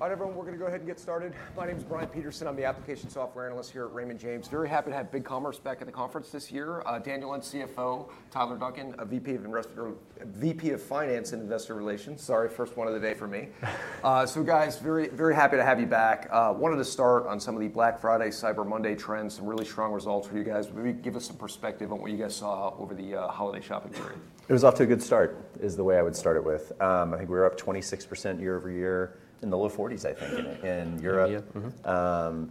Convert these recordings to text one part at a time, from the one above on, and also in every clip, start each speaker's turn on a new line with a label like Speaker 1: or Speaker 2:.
Speaker 1: All right, everyone, we're going to go ahead and get started. My name is Brian Peterson. I'm the Application Software Analyst here at Raymond James. Very happy to have BigCommerce back at the conference this year. Daniel Lentz, CFO. Tyler Duncan, VP of Finance and Investor Relations. Sorry, first one of the day for me. So, guys, very happy to have you back. Wanted to start on some of the Black Friday, Cyber Monday trends, some really strong results for you guys. Maybe give us some perspective on what you guys saw over the holiday shopping period.
Speaker 2: It was off to a good start, is the way I would start it with. I think we were up 26% year over year in the low 40s, I think, in Europe.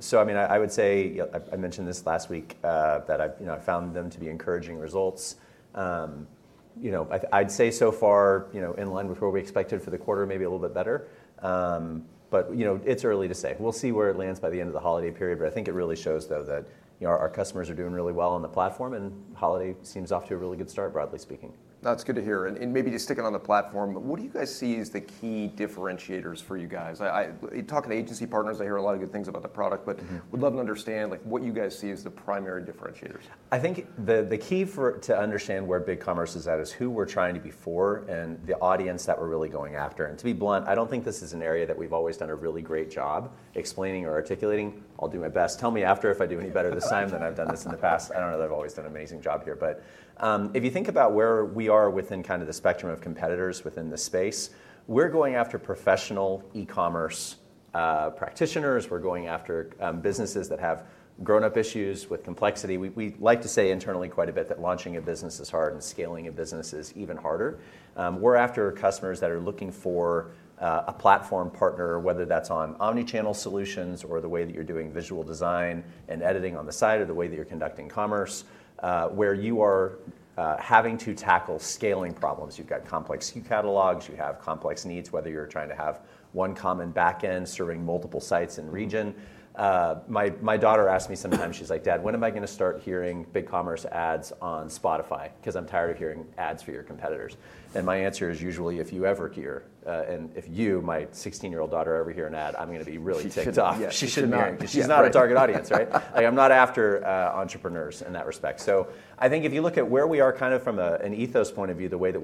Speaker 2: So, I mean, I would say, I mentioned this last week, that I found them to be encouraging results. I'd say so far, in line with what we expected for the quarter, maybe a little bit better. But it's early to say. We'll see where it lands by the end of the holiday period. But I think it really shows, though, that our customers are doing really well on the platform, and holiday seems off to a really good start, broadly speaking.
Speaker 1: That's good to hear. And maybe just sticking on the platform, what do you guys see as the key differentiators for you guys? Talking to agency partners, I hear a lot of good things about the product. But would love to understand what you guys see as the primary differentiators.
Speaker 2: I think the key to understand where BigCommerce is at is who we're trying to be for and the audience that we're really going after. And to be blunt, I don't think this is an area that we've always done a really great job explaining or articulating. I'll do my best. Tell me after if I do any better this time than I've done this in the past. I don't know that I've always done an amazing job here. But if you think about where we are within kind of the spectrum of competitors within the space, we're going after professional e-commerce practitioners. We're going after businesses that have grown-up issues with complexity. We like to say internally quite a bit that launching a business is hard and scaling a business is even harder. We're after customers that are looking for a platform partner, whether that's on omnichannel solutions or the way that you're doing visual design and editing on the side or the way that you're conducting commerce, where you are having to tackle scaling problems. You've got complex catalogs. You have complex needs, whether you're trying to have one common back end serving multiple sites and region. My daughter asks me sometimes, she's like, "Dad, when am I going to start hearing BigCommerce ads on Spotify? Because I'm tired of hearing ads for your competitors." And my answer is usually, if you ever hear, and if you, my 16-year-old daughter, ever hear an ad, I'm going to be really ticked off. She shouldn't hear it because she's not a target audience, right? I'm not after entrepreneurs in that respect. So, I think if you look at where we are kind of from an ethos point of view, the way that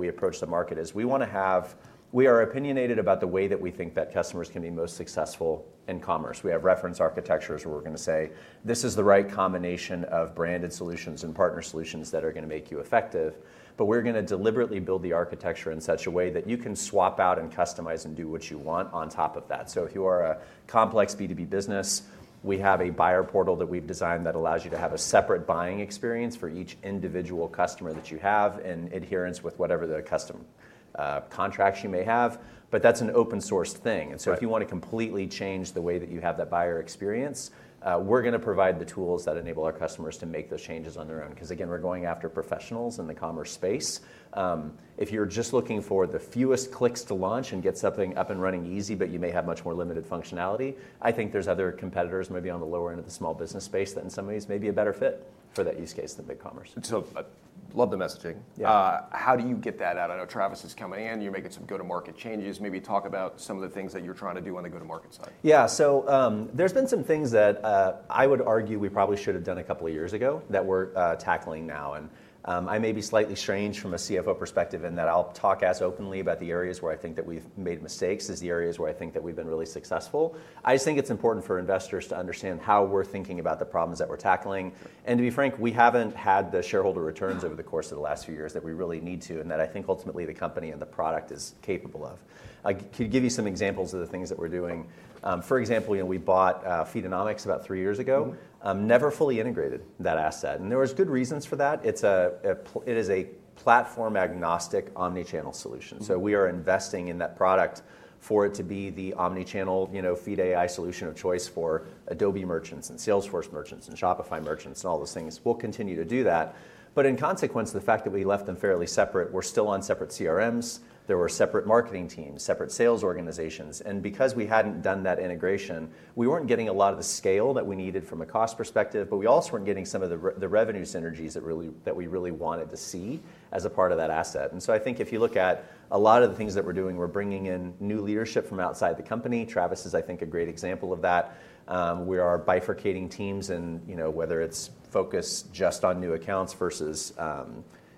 Speaker 2: we approach the market is we are opinionated about the way that we think that customers can be most successful in commerce. We have reference architectures where we're going to say, this is the right combination of branded solutions and partner solutions that are going to make you effective. But we're going to deliberately build the architecture in such a way that you can swap out and customize and do what you want on top of that. So if you are a complex B2B business, we have a buyer portal that we've designed that allows you to have a separate buying experience for each individual customer that you have in adherence with whatever the custom contracts you may have. But that's an open-source thing. And so if you want to completely change the way that you have that buyer experience, we're going to provide the tools that enable our customers to make those changes on their own. Because again, we're going after professionals in the commerce space. If you're just looking for the fewest clicks to launch and get something up and running easy, but you may have much more limited functionality, I think there's other competitors maybe on the lower end of the small business space that in some ways may be a better fit for that use case than BigCommerce.
Speaker 1: So I love the messaging. How do you get that out? I know Travis is coming in. You're making some go-to-market changes. Maybe talk about some of the things that you're trying to do on the go-to-market side.
Speaker 2: Yeah. So there's been some things that I would argue we probably should have done a couple of years ago that we're tackling now. And I may be slightly strange from a CFO perspective in that I'll talk as openly about the areas where I think that we've made mistakes as the areas where I think that we've been really successful. I just think it's important for investors to understand how we're thinking about the problems that we're tackling. And to be frank, we haven't had the shareholder returns over the course of the last few years that we really need to and that I think ultimately the company and the product is capable of. I could give you some examples of the things that we're doing. For example, we bought Feedonomics about three years ago, never fully integrated that asset. And there were good reasons for that. It is a platform-agnostic omnichannel solution. So we are investing in that product for it to be the omnichannel feed AI solution of choice for Adobe merchants and Salesforce merchants and Shopify merchants and all those things. We'll continue to do that. But in consequence, the fact that we left them fairly separate, we're still on separate CRMs. There were separate marketing teams, separate sales organizations. And because we hadn't done that integration, we weren't getting a lot of the scale that we needed from a cost perspective. But we also weren't getting some of the revenue synergies that we really wanted to see as a part of that asset. And so I think if you look at a lot of the things that we're doing, we're bringing in new leadership from outside the company. Travis is, I think, a great example of that. We are bifurcating teams, whether it's focused just on new accounts versus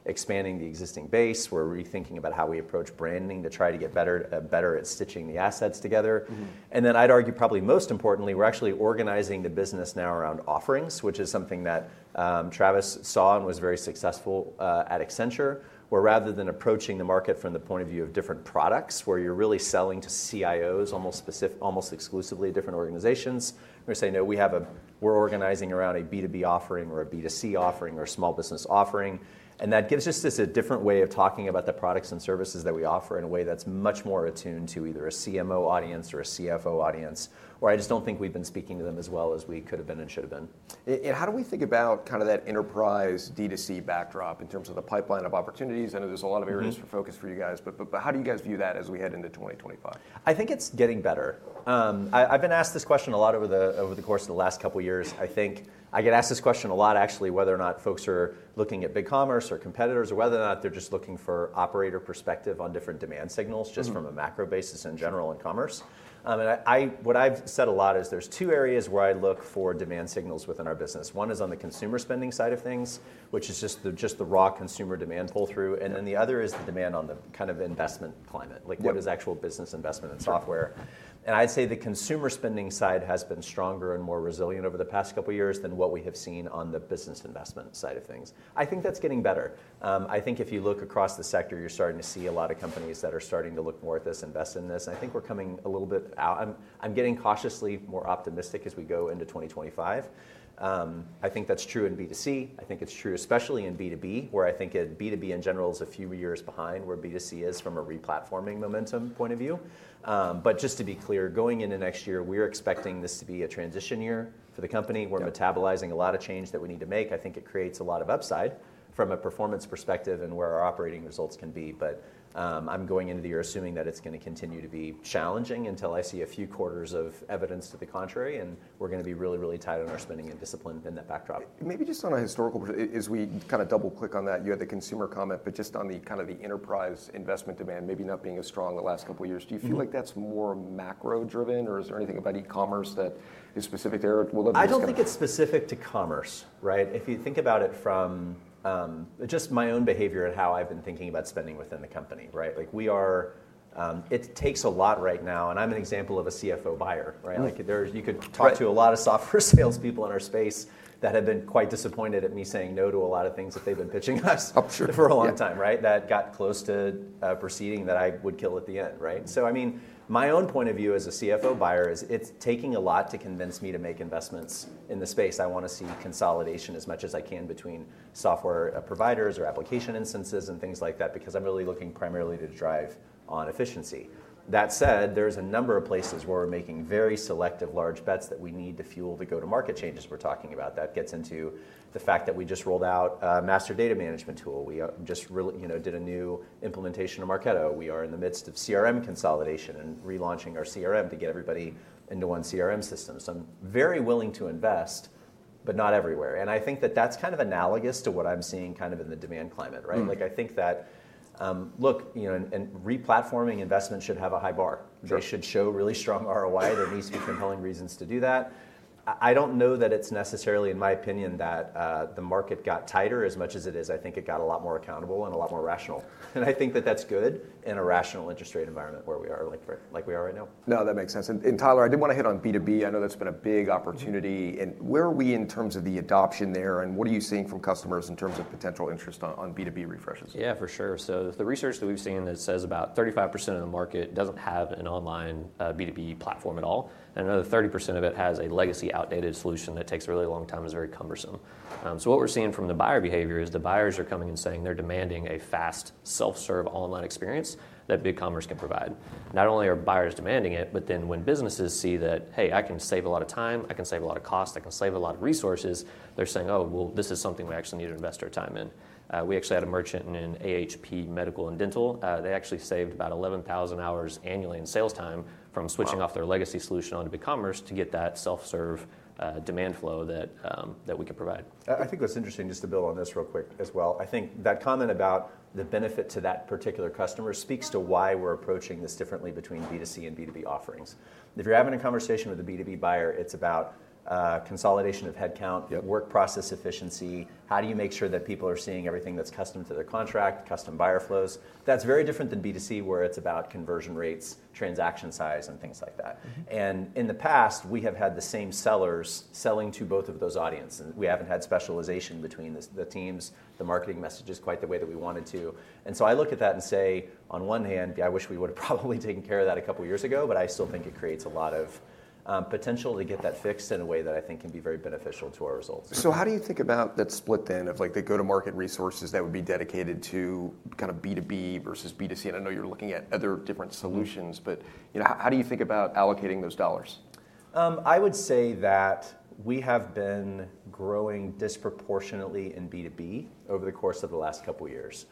Speaker 2: expanding the existing base. We're rethinking about how we approach branding to try to get better at stitching the assets together. And then I'd argue probably most importantly, we're actually organizing the business now around offerings, which is something that Travis saw and was very successful at Accenture, where rather than approaching the market from the point of view of different products, where you're really selling to CIOs almost exclusively at different organizations, we're saying, no, we're organizing around a B2B offering or a B2C offering or a small business offering. That gives us a different way of talking about the products and services that we offer in a way that's much more attuned to either a CMO audience or a CFO audience, where I just don't think we've been speaking to them as well as we could have been and should have been.
Speaker 1: And how do we think about kind of that enterprise D2C backdrop in terms of the pipeline of opportunities? I know there's a lot of areas for focus for you guys. But how do you guys view that as we head into 2025?
Speaker 2: I think it's getting better. I've been asked this question a lot over the course of the last couple of years. I think I get asked this question a lot, actually, whether or not folks are looking at BigCommerce or competitors or whether or not they're just looking for operator perspective on different demand signals just from a macro basis in general in commerce. And what I've said a lot is there's two areas where I look for demand signals within our business. One is on the consumer spending side of things, which is just the raw consumer demand pull-through. And then the other is the demand on the kind of investment climate. What is actual business investment in software? I'd say the consumer spending side has been stronger and more resilient over the past couple of years than what we have seen on the business investment side of things. I think that's getting better. I think if you look across the sector, you're starting to see a lot of companies that are starting to look more at this, invest in this. I think we're coming a little bit out. I'm getting cautiously more optimistic as we go into 2025. I think that's true in B2C. I think it's true especially in B2B, where I think B2B in general is a few years behind where B2C is from a replatforming momentum point of view. But just to be clear, going into next year, we're expecting this to be a transition year for the company. We're metabolizing a lot of change that we need to make. I think it creates a lot of upside from a performance perspective and where our operating results can be. But I'm going into the year assuming that it's going to continue to be challenging until I see a few quarters of evidence to the contrary, and we're going to be really, really tight on our spending and discipline in that backdrop.
Speaker 1: Maybe just on a historical perspective, as we kind of double-click on that, you had the consumer comment. But just on kind of the enterprise investment demand maybe not being as strong the last couple of years, do you feel like that's more macro-driven? Or is there anything about e-commerce that is specific there?
Speaker 2: I don't think it's specific to commerce. If you think about it from just my own behavior and how I've been thinking about spending within the company, it takes a lot right now, and I'm an example of a CFO buyer. You could talk to a lot of software salespeople in our space that have been quite disappointed at me saying no to a lot of things that they've been pitching us for a long time. That got close to a proceeding that I would kill at the end, so I mean, my own point of view as a CFO buyer is it's taking a lot to convince me to make investments in the space. I want to see consolidation as much as I can between software providers or application instances and things like that because I'm really looking primarily to drive on efficiency. That said, there's a number of places where we're making very selective large bets that we need to fuel the go-to-market changes we're talking about. That gets into the fact that we just rolled out a master data management tool. We just did a new implementation of Marketo. We are in the midst of CRM consolidation and relaunching our CRM to get everybody into one CRM system, so I'm very willing to invest, but not everywhere, and I think that that's kind of analogous to what I'm seeing kind of in the demand climate. I think that, look, replatforming investment should have a high bar. They should show really strong ROI. There needs to be compelling reasons to do that. I don't know that it's necessarily, in my opinion, that the market got tighter as much as it is. I think it got a lot more accountable and a lot more rational, and I think that that's good in a rational interest rate environment where we are like we are right now.
Speaker 1: No, that makes sense. And Tyler, I did want to hit on B2B. I know that's been a big opportunity. And where are we in terms of the adoption there? And what are you seeing from customers in terms of potential interest on B2B refreshes?
Speaker 3: Yeah, for sure. So the research that we've seen that says about 35% of the market doesn't have an online B2B platform at all. And another 30% of it has a legacy outdated solution that takes a really long time and is very cumbersome. So what we're seeing from the buyer behavior is the buyers are coming and saying they're demanding a fast self-serve online experience that BigCommerce can provide. Not only are buyers demanding it, but then when businesses see that, hey, I can save a lot of time. I can save a lot of cost. I can save a lot of resources. They're saying, oh, well, this is something we actually need to invest our time in. We actually had a merchant in AHP Dental & Medical. They actually saved about 11,000 hours annually in sales time from switching off their legacy solution onto BigCommerce to get that self-serve demand flow that we could provide.
Speaker 2: I think that's interesting. Just to build on this real quick as well, I think that comment about the benefit to that particular customer speaks to why we're approaching this differently between B2C and B2B offerings. If you're having a conversation with a B2B buyer, it's about consolidation of headcount, work process efficiency. How do you make sure that people are seeing everything that's custom to their contract, custom buyer flows? That's very different than B2C, where it's about conversion rates, transaction size, and things like that. And in the past, we have had the same sellers selling to both of those audiences. And we haven't had specialization between the teams. The marketing message is quite the way that we wanted to. And so I look at that and say, on one hand, yeah, I wish we would have probably taken care of that a couple of years ago. But I still think it creates a lot of potential to get that fixed in a way that I think can be very beneficial to our results.
Speaker 1: So how do you think about that split then of the go-to-market resources that would be dedicated to kind of B2B versus B2C? And I know you're looking at other different solutions. But how do you think about allocating those dollars?
Speaker 2: I would say that we have been growing disproportionately in B2B over the course of the last couple of years.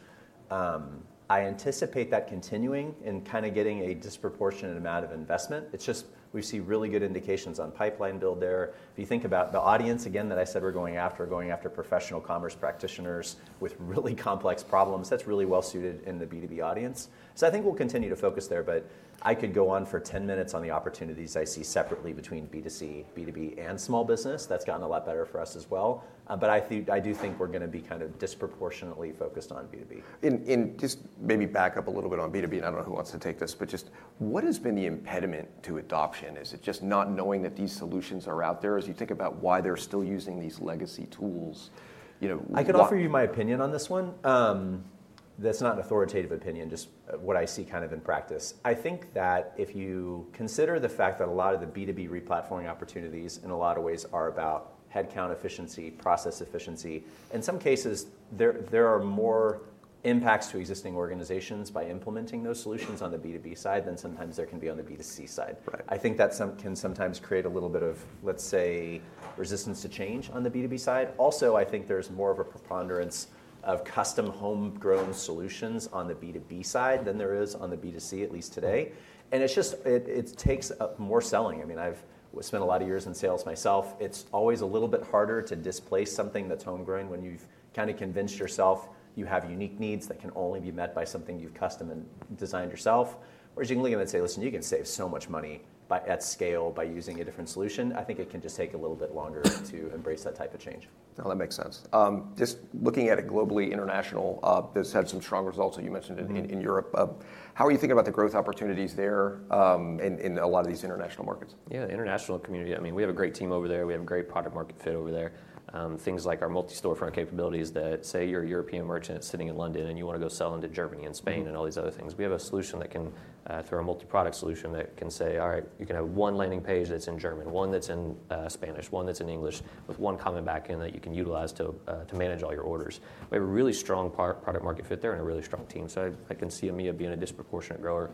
Speaker 2: I anticipate that continuing and kind of getting a disproportionate amount of investment. It's just we see really good indications on pipeline build there. If you think about the audience, again, that I said we're going after, we're going after professional commerce practitioners with really complex problems. That's really well suited in the B2B audience. So I think we'll continue to focus there. But I could go on for 10 minutes on the opportunities I see separately between B2C, B2B, and small business. That's gotten a lot better for us as well. But I do think we're going to be kind of disproportionately focused on B2B.
Speaker 1: Just maybe back up a little bit on B2B. I don't know who wants to take this. Just what has been the impediment to adoption? Is it just not knowing that these solutions are out there? As you think about why they're still using these legacy tools?
Speaker 2: I can offer you my opinion on this one. That's not an authoritative opinion, just what I see kind of in practice. I think that if you consider the fact that a lot of the B2B replatforming opportunities in a lot of ways are about headcount efficiency, process efficiency, in some cases, there are more impacts to existing organizations by implementing those solutions on the B2B side than sometimes there can be on the B2C side. I think that can sometimes create a little bit of, let's say, resistance to change on the B2B side. Also, I think there's more of a preponderance of custom homegrown solutions on the B2B side than there is on the B2C, at least today. And it takes more selling. I mean, I've spent a lot of years in sales myself. It's always a little bit harder to displace something that's homegrown when you've kind of convinced yourself you have unique needs that can only be met by something you've custom and designed yourself. Whereas you can look at it and say, listen, you can save so much money at scale by using a different solution. I think it can just take a little bit longer to embrace that type of change.
Speaker 1: No, that makes sense. Just looking at it globally, international, this had some strong results that you mentioned in Europe. How are you thinking about the growth opportunities there in a lot of these international markets?
Speaker 3: Yeah, the international community. I mean, we have a great team over there. We have a great product-market fit over there. Things like our multi-storefront capabilities that say you're a European merchant sitting in London and you want to go sell into Germany and Spain and all these other things. We have a solution that can, through our multi-product solution, that can say, all right, you can have one landing page that's in German, one that's in Spanish, one that's in English, with one common backend that you can utilize to manage all your orders. We have a really strong product-market fit there and a really strong team. So I can see EMEA being a disproportionate grower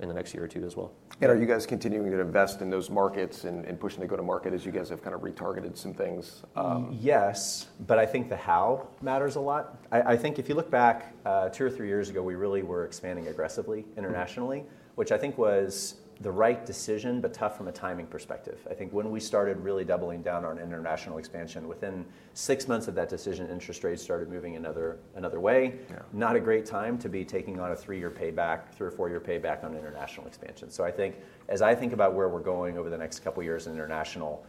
Speaker 3: in the next year or two as well.
Speaker 1: Are you guys continuing to invest in those markets and pushing the go-to-market as you guys have kind of retargeted some things?
Speaker 2: Yes. But I think the how matters a lot. I think if you look back two or three years ago, we really were expanding aggressively internationally, which I think was the right decision, but tough from a timing perspective. I think when we started really doubling down on international expansion, within six months of that decision, interest rates started moving another way. Not a great time to be taking on a three-year payback, three or four-year payback on international expansion. So I think as I think about where we're going over the next couple of years in international,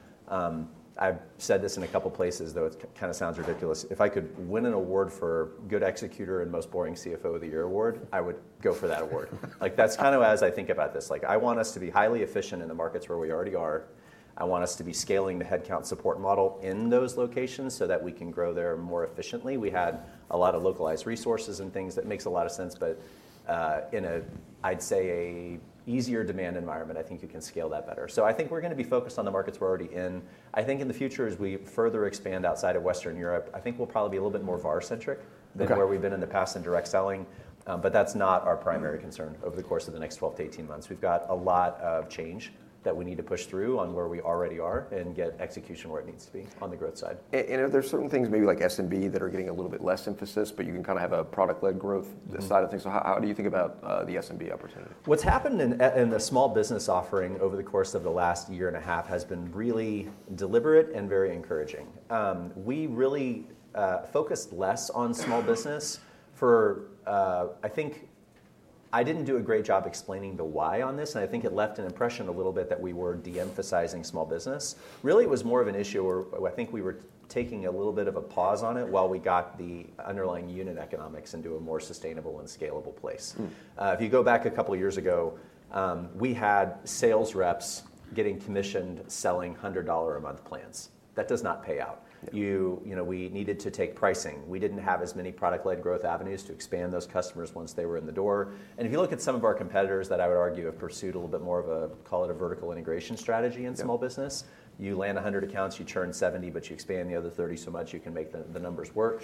Speaker 2: I've said this in a couple of places, though it kind of sounds ridiculous. If I could win an award for good executor and most boring CFO of the year award, I would go for that award. That's kind of as I think about this. I want us to be highly efficient in the markets where we already are. I want us to be scaling the headcount support model in those locations so that we can grow there more efficiently. We had a lot of localized resources and things. That makes a lot of sense. But in a, I'd say, an easier demand environment, I think you can scale that better. So I think we're going to be focused on the markets we're already in. I think in the future, as we further expand outside of Western Europe, I think we'll probably be a little bit more VAR-centric than where we've been in the past in direct selling. But that's not our primary concern over the course of the next 12-18 months. We've got a lot of change that we need to push through on where we already are and get execution where it needs to be on the growth side.
Speaker 1: And there are certain things, maybe like SMB, that are getting a little bit less emphasis. But you can kind of have a product-led growth side of things. So how do you think about the SMB opportunity?
Speaker 2: What's happened in the small business offering over the course of the last year and a half has been really deliberate and very encouraging. We really focused less on small business for, I think I didn't do a great job explaining the why on this, and I think it left an impression a little bit that we were de-emphasizing small business. Really, it was more of an issue where I think we were taking a little bit of a pause on it while we got the underlying unit economics into a more sustainable and scalable place. If you go back a couple of years ago, we had sales reps getting commissioned selling $100 a month plans. That does not pay out. We needed to take pricing. We didn't have as many product-led growth avenues to expand those customers once they were in the door. And if you look at some of our competitors that I would argue have pursued a little bit more of a, call it a vertical integration strategy in small business, you land 100 accounts, you churn 70, but you expand the other 30 so much you can make the numbers work.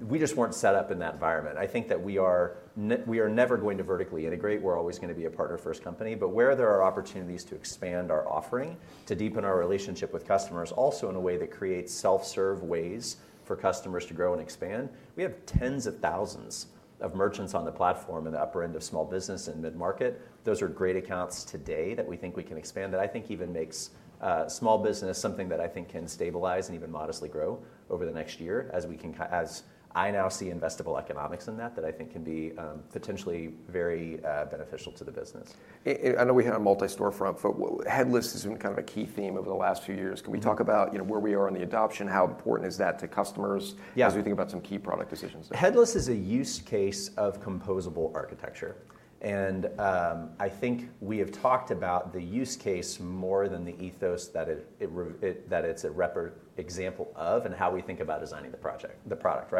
Speaker 2: We just weren't set up in that environment. I think that we are never going to vertically integrate. We're always going to be a partner-first company. But where there are opportunities to expand our offering, to deepen our relationship with customers also in a way that creates self-serve ways for customers to grow and expand, we have tens of thousands of merchants on the platform in the upper end of small business and mid-market. Those are great accounts today that we think we can expand. That I think even makes small business something that I think can stabilize and even modestly grow over the next year as I now see investable economics in that I think can be potentially very beneficial to the business.
Speaker 1: I know we had a multi-storefront. But headless has been kind of a key theme over the last few years. Can we talk about where we are on the adoption? How important is that to customers as we think about some key product decisions?
Speaker 2: Headless is a use case of composable architecture. And I think we have talked about the use case more than the ethos that it's a representative example of and how we think about designing the product.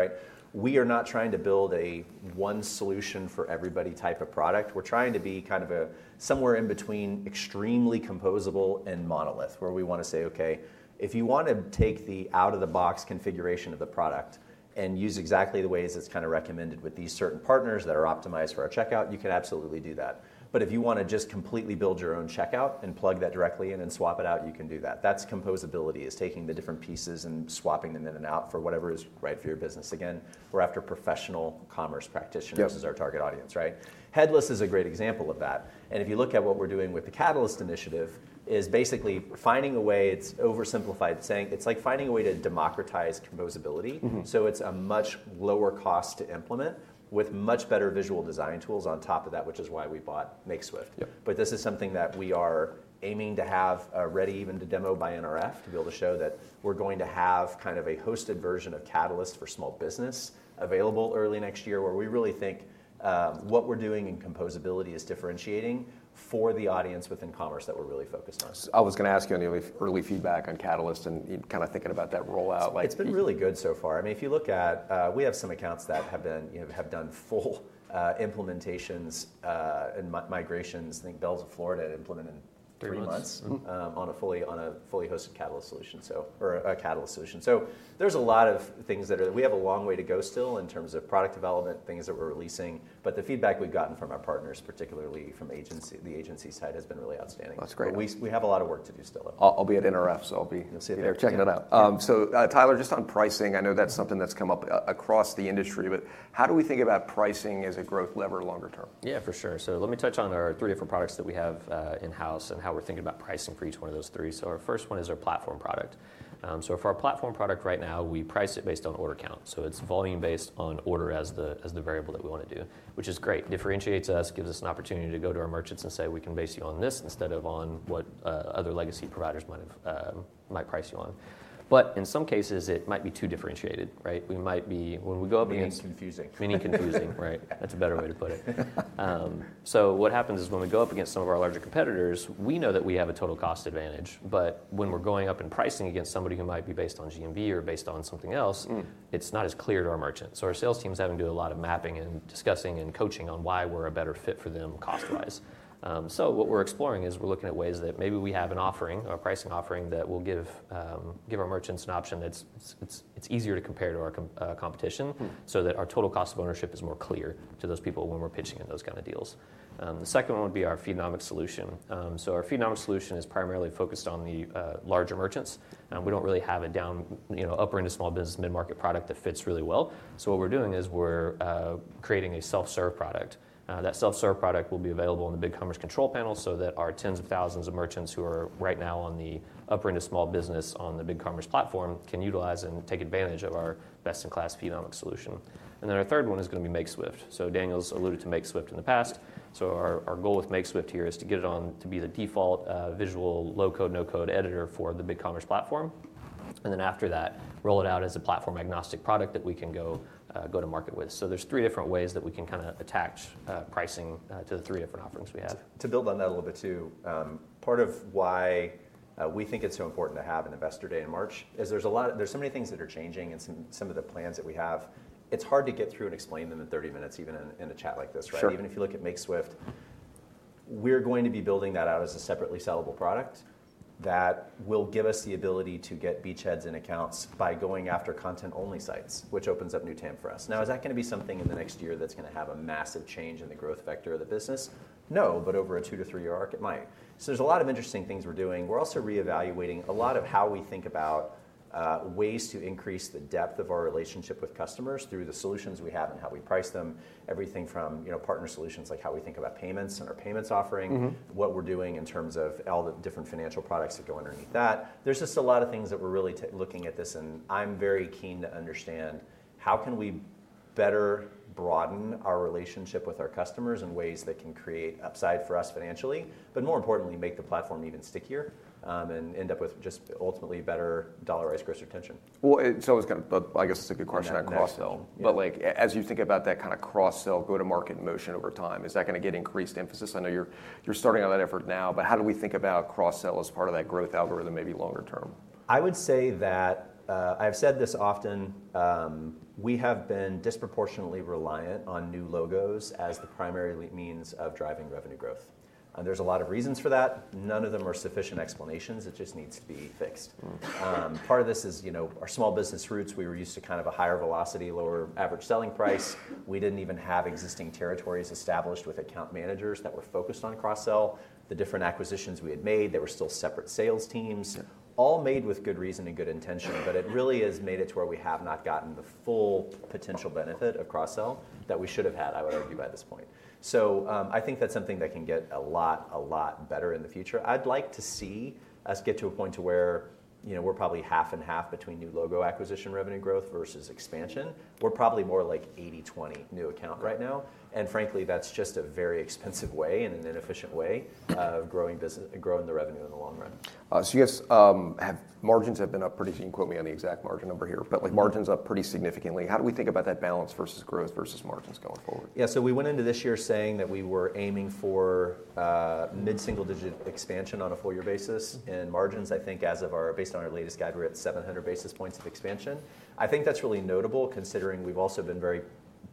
Speaker 2: We are not trying to build a one solution for everybody type of product. We're trying to be kind of somewhere in between extremely composable and monolith, where we want to say, OK, if you want to take the out-of-the-box configuration of the product and use exactly the ways it's kind of recommended with these certain partners that are optimized for our checkout, you can absolutely do that. But if you want to just completely build your own checkout and plug that directly in and swap it out, you can do that. That's composability, is taking the different pieces and swapping them in and out for whatever is right for your business. Again, we're after professional commerce practitioners as our target audience. Headless is a great example of that. And if you look at what we're doing with the Catalyst initiative, it is basically finding a way. It's oversimplified, saying it's like finding a way to democratize composability. So it's a much lower cost to implement with much better visual design tools on top of that, which is why we bought Makeswift. But this is something that we are aiming to have ready even to demo by NRF to be able to show that we're going to have kind of a hosted version of Catalyst for small business available early next year, where we really think what we're doing in composability is differentiating for the audience within commerce that we're really focused on.
Speaker 1: I was going to ask you on the early feedback on Catalyst and kind of thinking about that rollout.
Speaker 2: It's been really good so far. I mean, if you look at, we have some accounts that have done full implementations and migrations. I think Bealls Florida implemented in three months on a fully hosted Catalyst solution or a Catalyst solution. So there's a lot of things that we have a long way to go still in terms of product development, things that we're releasing. But the feedback we've gotten from our partners, particularly from the agency side, has been really outstanding.
Speaker 1: That's great.
Speaker 2: We have a lot of work to do still.
Speaker 1: I'll be at NRF, so I'll be checking it out. So Tyler, just on pricing, I know that's something that's come up across the industry, but how do we think about pricing as a growth lever longer term?
Speaker 3: Yeah, for sure, so let me touch on our three different products that we have in-house and how we're thinking about pricing for each one of those three, so our first one is our platform product, so for our platform product right now, we price it based on order count. So it's volume based on order as the variable that we want to do, which is great. Differentiates us, gives us an opportunity to go to our merchants and say, we can base you on this instead of on what other legacy providers might price you on. But in some cases, it might be too differentiated. We might be, when we go up against.
Speaker 2: Meaning confusing.
Speaker 3: Meaning confusing, right? That's a better way to put it. So what happens is when we go up against some of our larger competitors, we know that we have a total cost advantage. But when we're going up and pricing against somebody who might be based on GMV or based on something else, it's not as clear to our merchants. So our sales teams having to do a lot of mapping and discussing and coaching on why we're a better fit for them cost-wise. So what we're exploring is we're looking at ways that maybe we have an offering, a pricing offering that will give our merchants an option that's easier to compare to our competition so that our total cost of ownership is more clear to those people when we're pitching in those kind of deals. The second one would be our Feedonomics solution. Our Feedonomics solution is primarily focused on the larger merchants. We don't really have a downmarket upper end of small business mid-market product that fits really well. What we're doing is we're creating a self-serve product. That self-serve product will be available in the BigCommerce control panel so that our tens of thousands of merchants who are right now on the upper end of small business on the BigCommerce platform can utilize and take advantage of our best-in-class Feedonomics solution. And then our third one is going to be Makeswift. Daniel's alluded to Makeswift in the past. Our goal with Makeswift here is to get it on to be the default visual low-code, no-code editor for the BigCommerce platform. And then after that, roll it out as a platform-agnostic product that we can go to market with. So there's three different ways that we can kind of attach pricing to the three different offerings we have.
Speaker 2: To build on that a little bit too, part of why we think it's so important to have an investor day in March is there's so many things that are changing in some of the plans that we have. It's hard to get through and explain them in 30 minutes, even in a chat like this. Even if you look at Makeswift, we're going to be building that out as a separately sellable product that will give us the ability to get beachheads and accounts by going after content-only sites, which opens up new TAM for us. Now, is that going to be something in the next year that's going to have a massive change in the growth vector of the business? No. But over a two to three-year arc, it might. So there's a lot of interesting things we're doing. We're also reevaluating a lot of how we think about ways to increase the depth of our relationship with customers through the solutions we have and how we price them, everything from partner solutions, like how we think about payments and our payments offering, what we're doing in terms of all the different financial products that go underneath that. There's just a lot of things that we're really looking at this. And I'm very keen to understand how can we better broaden our relationship with our customers in ways that can create upside for us financially, but more importantly, make the platform even stickier and end up with just ultimately better dollarized gross retention.
Speaker 1: It's always going to, I guess it's a good question on cross-sell. But as you think about that kind of cross-sell go-to-market motion over time, is that going to get increased emphasis? I know you're starting on that effort now. But how do we think about cross-sell as part of that growth algorithm, maybe longer term?
Speaker 2: I would say that I have said this often. We have been disproportionately reliant on new logos as the primary means of driving revenue growth, and there's a lot of reasons for that. None of them are sufficient explanations. It just needs to be fixed. Part of this is our small business roots. We were used to kind of a higher velocity, lower average selling price. We didn't even have existing territories established with account managers that were focused on cross-sell. The different acquisitions we had made, there were still separate sales teams, all made with good reason and good intention, but it really has made it to where we have not gotten the full potential benefit of cross-sell that we should have had, I would argue by this point, so I think that's something that can get a lot, a lot better in the future. I'd like to see us get to a point to where we're probably half and half between new logo acquisition revenue growth versus expansion. We're probably more like 80/20 new account right now. Frankly, that's just a very expensive way and an inefficient way of growing the revenue in the long run.
Speaker 1: So, you guys, margins have been up pretty, so you can quote me on the exact margin number here. But margins up pretty significantly. How do we think about that balance versus growth versus margins going forward?
Speaker 3: Yeah, so we went into this year saying that we were aiming for mid-single digit expansion on a four-year basis, and margins, I think, as of, or based on, our latest guide, we're at 700 basis points of expansion. I think that's really notable considering we've also been very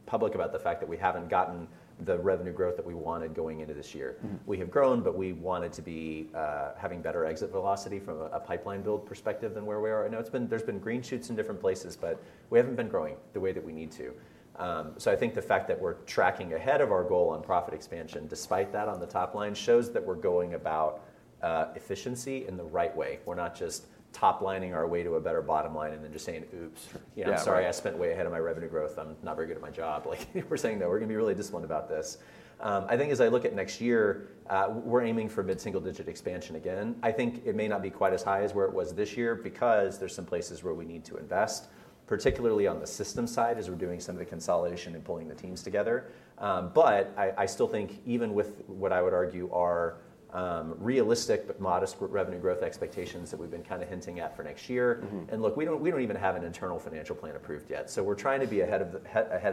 Speaker 3: public about the fact that we haven't gotten the revenue growth that we wanted going into this year. We have grown, but we wanted to be having better exit velocity from a pipeline build perspective than where we are right now. There's been green shoots in different places, but we haven't been growing the way that we need to, so I think the fact that we're tracking ahead of our goal on profit expansion, despite that on the top line, shows that we're going about efficiency in the right way. We're not just top lining our way to a better bottom line and then just saying, oops, I'm sorry, I spent way ahead of my revenue growth. I'm not very good at my job. We're saying, no, we're going to be really disciplined about this. I think as I look at next year, we're aiming for mid-single digit expansion again. I think it may not be quite as high as where it was this year because there's some places where we need to invest, particularly on the system side as we're doing some of the consolidation and pulling the teams together, but I still think even with what I would argue are realistic but modest revenue growth expectations that we've been kind of hinting at for next year, and look, we don't even have an internal financial plan approved yet. So we're trying to be ahead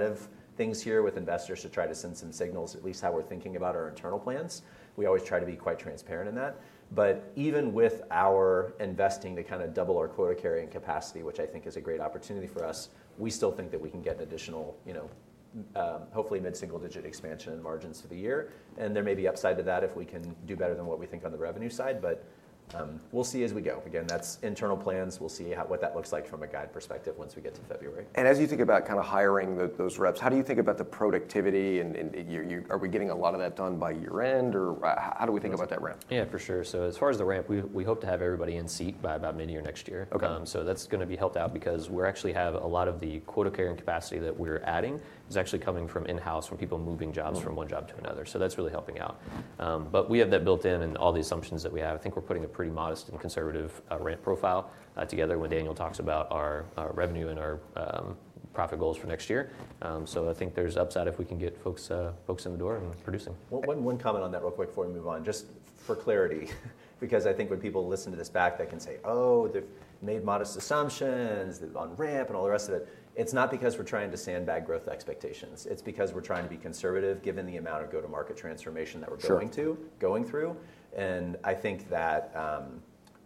Speaker 3: of things here with investors to try to send some signals, at least how we're thinking about our internal plans. We always try to be quite transparent in that. But even with our investing to kind of double our quota carrying capacity, which I think is a great opportunity for us, we still think that we can get an additional, hopefully, mid-single digit expansion in margins for the year. And there may be upside to that if we can do better than what we think on the revenue side. But we'll see as we go. Again, that's internal plans. We'll see what that looks like from a guide perspective once we get to February.
Speaker 1: And as you think about kind of hiring those reps, how do you think about the productivity? And are we getting a lot of that done by year end? Or how do we think about that ramp?
Speaker 3: Yeah, for sure. So as far as the ramp, we hope to have everybody in seat by about mid-year next year. So that's going to be helped out because we actually have a lot of the quota carrying capacity that we're adding is actually coming from in-house from people moving jobs from one job to another. So that's really helping out. But we have that built in and all the assumptions that we have. I think we're putting a pretty modest and conservative ramp profile together when Daniel talks about our revenue and our profit goals for next year. So I think there's upside if we can get folks in the door and producing.
Speaker 2: One comment on that real quick before we move on, just for clarity. Because I think when people listen to this back, they can say, oh, they've made modest assumptions. They've gone ramp and all the rest of it. It's not because we're trying to sandbag growth expectations. It's because we're trying to be conservative given the amount of go-to-market transformation that we're going through. And I think that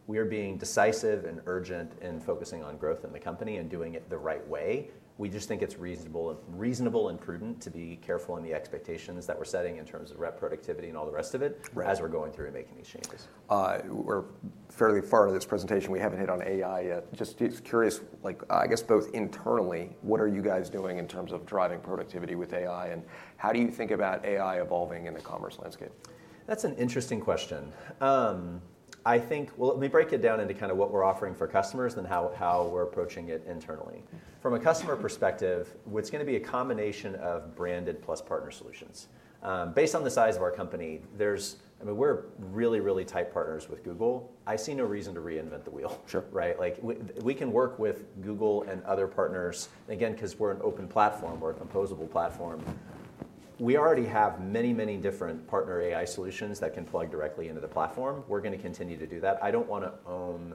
Speaker 2: we are being decisive and urgent in focusing on growth in the company and doing it the right way. We just think it's reasonable and prudent to be careful in the expectations that we're setting in terms of rep productivity and all the rest of it as we're going through and making these changes.
Speaker 1: We're fairly far into this presentation. We haven't hit on AI yet. Just curious, I guess both internally, what are you guys doing in terms of driving productivity with AI? And how do you think about AI evolving in the commerce landscape?
Speaker 3: That's an interesting question. I think, well, let me break it down into kind of what we're offering for customers and how we're approaching it internally. From a customer perspective, it's going to be a combination of branded plus partner solutions. Based on the size of our company, I mean, we're really, really tight partners with Google. I see no reason to reinvent the wheel. We can work with Google and other partners. Again, because we're an open platform, we're a composable platform. We already have many, many different partner AI solutions that can plug directly into the platform. We're going to continue to do that. I don't want to own,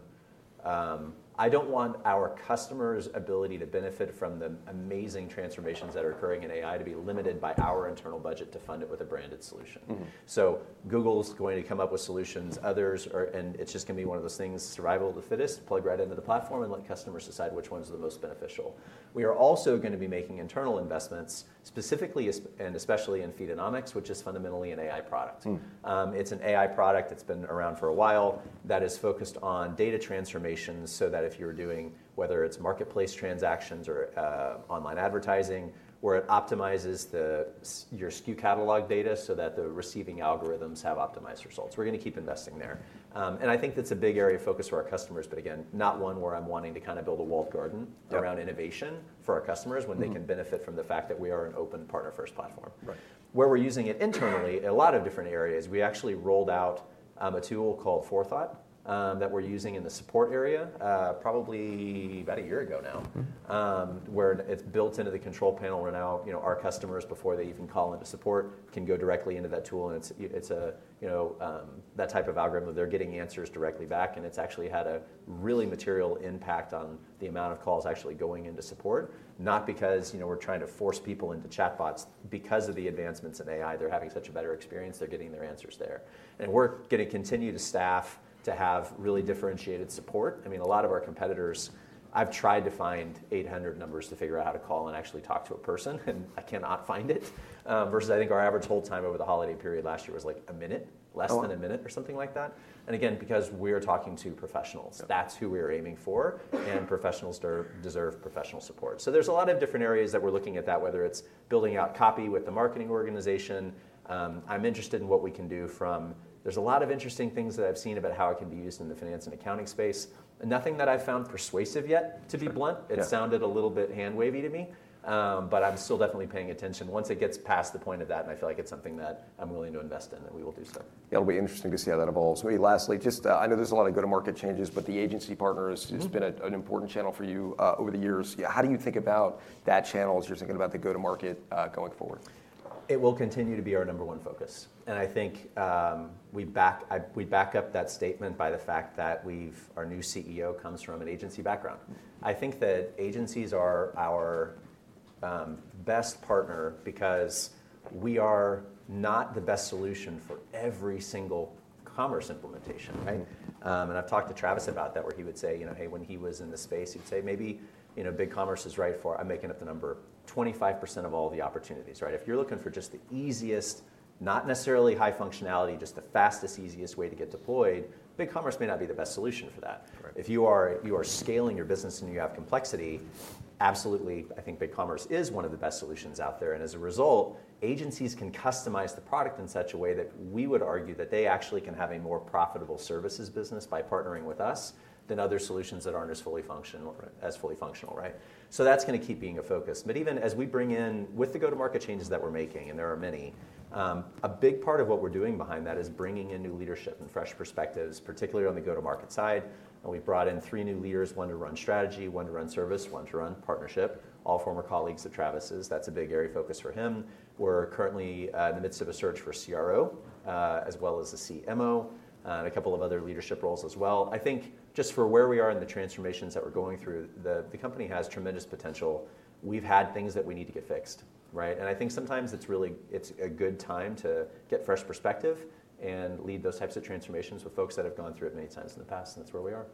Speaker 3: I don't want our customers' ability to benefit from the amazing transformations that are occurring in AI to be limited by our internal budget to fund it with a branded solution. So Google's going to come up with solutions. Others, and it's just going to be one of those things, survival of the fittest, plug right into the platform and let customers decide which ones are the most beneficial. We are also going to be making internal investments specifically and especially in Feedonomics, which is fundamentally an AI product. It's an AI product that's been around for a while that is focused on data transformations so that if you're doing, whether it's marketplace transactions or online advertising, where it optimizes your SKU catalog data so that the receiving algorithms have optimized results. We're going to keep investing there. And I think that's a big area of focus for our customers. But again, not one where I'm wanting to kind of build a walled garden around innovation for our customers when they can benefit from the fact that we are an open partner-first platform. Where we're using it internally, a lot of different areas, we actually rolled out a tool called Forethought that we're using in the support area probably about a year ago now, where it's built into the control panel where now our customers, before they even call into support, can go directly into that tool. And it's that type of algorithm that they're getting answers directly back. And it's actually had a really material impact on the amount of calls actually going into support, not because we're trying to force people into chatbots. Because of the advancements in AI, they're having such a better experience. They're getting their answers there. And we're going to continue to staff to have really differentiated support. I mean, a lot of our competitors, I've tried to find 800 numbers to figure out how to call and actually talk to a person, and I cannot find it. Versus I think our average hold time over the holiday period last year was like a minute, less than a minute or something like that. And again, because we are talking to professionals, that's who we are aiming for. And professionals deserve professional support. So there's a lot of different areas that we're looking at that, whether it's building out copy with the marketing organization. I'm interested in what we can do from, there's a lot of interesting things that I've seen about how it can be used in the finance and accounting space. Nothing that I've found persuasive yet, to be blunt. It sounded a little bit hand-wavy to me. But I'm still definitely paying attention. Once it gets past the point of that, and I feel like it's something that I'm willing to invest in, then we will do so.
Speaker 1: It'll be interesting to see how that evolves. Maybe lastly, just I know there's a lot of go-to-market changes, but the agency partners has been an important channel for you over the years. How do you think about that channel as you're thinking about the go-to-market going forward?
Speaker 2: It will continue to be our number one focus. I think we back up that statement by the fact that our new CEO comes from an agency background. I think that agencies are our best partner because we are not the best solution for every single commerce implementation. I've talked to Travis about that, where he would say, you know, hey, when he was in the space, he'd say maybe BigCommerce is right for, I'm making up the number, 25% of all the opportunities. If you're looking for just the easiest, not necessarily high functionality, just the fastest, easiest way to get deployed, BigCommerce may not be the best solution for that. If you are scaling your business and you have complexity, absolutely, I think BigCommerce is one of the best solutions out there. As a result, agencies can customize the product in such a way that we would argue that they actually can have a more profitable services business by partnering with us than other solutions that aren't as fully functional. That's going to keep being a focus. Even as we bring in, with the go-to-market changes that we're making, and there are many, a big part of what we're doing behind that is bringing in new leadership and fresh perspectives, particularly on the go-to-market side. We've brought in three new leaders, one to run strategy, one to run service, one to run partnership, all former colleagues of Travis's. That's a big area of focus for him. We're currently in the midst of a search for CRO, as well as a CMO, and a couple of other leadership roles as well. I think just for where we are in the transformations that we're going through, the company has tremendous potential. We've had things that we need to get fixed. And I think sometimes it's really, it's a good time to get fresh perspective and lead those types of transformations with folks that have gone through it many times in the past. And that's where we are.